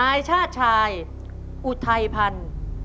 นายชาติชายอุทัยพันธุ์